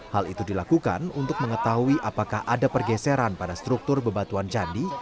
hal itu dilakukan untuk mengetahui apakah ada pergeseran pada struktur bebatuan candi